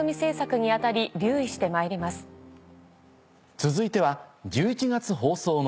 続いては１１月放送の。